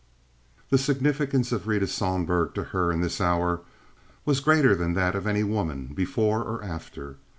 The significance of Rita Sohlberg to her in this hour was greater than that of any woman before or after.